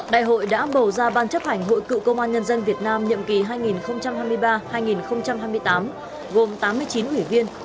đại hội đã bầu ra ban chấp hành hội cựu công an nhân dân việt nam nhiệm kỳ hai nghìn hai mươi ba hai nghìn hai mươi tám gồm tám mươi chín ủy viên